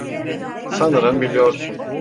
Sanırım biliyorsun.